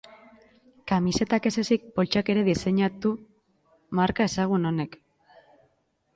Kamisetak ez ezik, poltsak ere diseinatu marka ezagun honek.